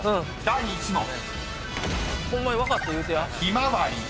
［第１問］